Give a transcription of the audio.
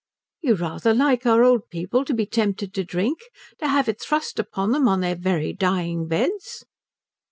"You rather like our old people to be tempted to drink, to have it thrust upon them on their very dying beds?"